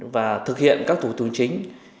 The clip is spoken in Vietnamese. và thực hiện các thủ tướng chính